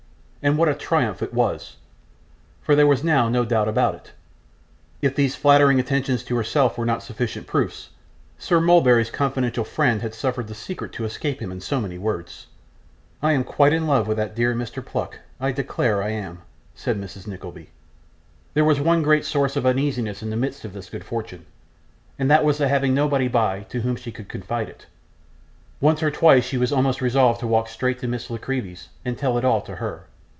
and what a triumph it was, for there was now no doubt about it. If these flattering attentions to herself were not sufficient proofs, Sir Mulberry's confidential friend had suffered the secret to escape him in so many words. 'I am quite in love with that dear Mr Pluck, I declare I am,' said Mrs. Nickleby. There was one great source of uneasiness in the midst of this good fortune, and that was the having nobody by, to whom she could confide it. Once or twice she almost resolved to walk straight to Miss La Creevy's and tell it all to her.